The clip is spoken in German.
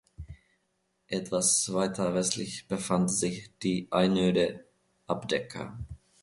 Etwas weiter westlich befand sich die Einöde Abdecker.